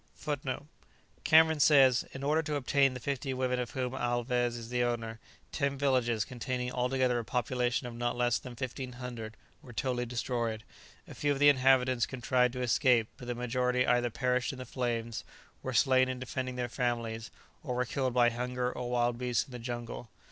" [Footnote 1: Cameron says, "In order to obtain the fifty women of whom Alvez is the owner, ten villages, containing altogether a population of not less than 1500, were totally destroyed. A few of the inhabitants contrived to escape, but the majority either perished in the flames, were slain in defending their families, or were killed by hunger or wild beasts in the jungle....